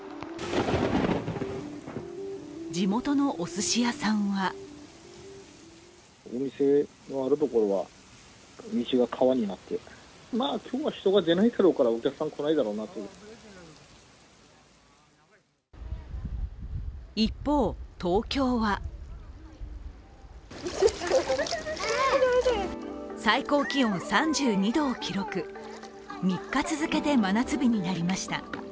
地元のおすし屋さんは一方、東京は最高気温３２度を記録、３日続けて真夏日になりました。